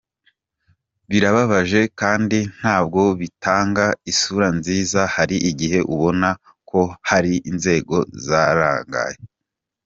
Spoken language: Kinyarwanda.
Birababaje kandi ntabwo bitanga isura nziza, hari igihe ubona ko hari inzego zarangaye.